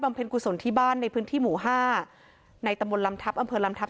เพลงกุศลที่บ้านในพื้นที่หมู่ห้าในตำบลลำทัพอำเภอลำทัพ